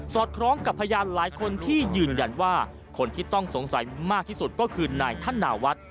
คล้องกับพยานหลายคนที่ยืนยันว่าคนที่ต้องสงสัยมากที่สุดก็คือนายธนาวัฒน์